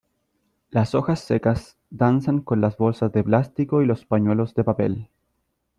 Las hojas secas danzan con las bolsas de plástico y los pañuelos de papel.